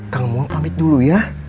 kang mau pamit dulu ya